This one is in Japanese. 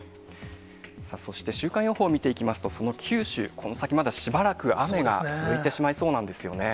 そして、週間予報を見ていきますと、その九州、この先まだしばらく雨が続いてしまいそうなんですね。